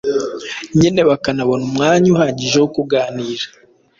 nyine bakanabona umwanya uhagije wo kuganira